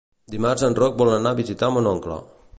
Dimarts en Roc vol anar a visitar mon oncle.